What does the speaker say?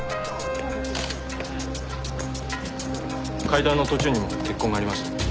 階段の途中にも血痕がありました。